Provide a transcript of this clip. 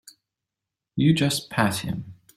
You just pat him.